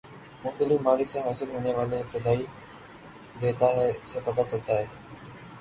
مختلف ممالک سے حاصل ہونے والے ابتدائی دیتا سے پتہ چلتا ہے